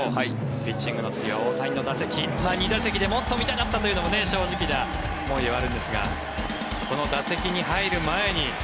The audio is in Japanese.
ピッチングの次は大谷の打席２打席でもっと見たかったというのも正直な思いではあるんですがこの打席に入る前に。